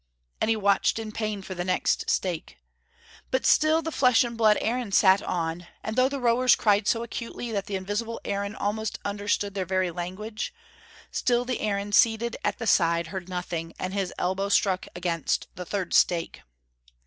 And he watched in pain for the next stake. But still the flesh and blood Aaron sat on, and though the rowers cried so acutely that the invisible Aaron almost understood their very language, still the Aaron seated at the side heard nothing, and his elbow struck against the third stake.